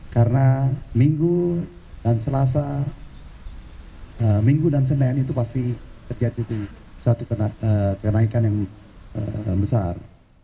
karena minggu dan selasa minggu dan senin itu pasti terjadi satu kenaikan yang besar